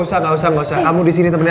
ya ngantuk mau ngopi ya